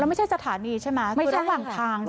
แล้วไม่ใช่สถานีใช่ไหมคือระหว่างทาง